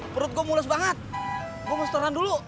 perut gue mulus banget gue mau setoran dulu